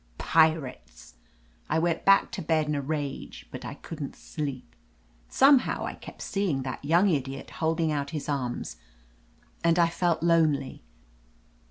Pirates ! I went back to bed in a rage, but I couldn't sleep. Somehow I kept seeing that young idiot holding out his arms, and I felt lonely.